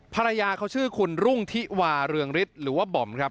ภรรยาเขาชื่อคุณรุ่งทิวาเรืองฤทธิ์หรือว่าบอมครับ